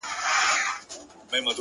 گنې په تورو توتکيو دې ماتم ساز کړي”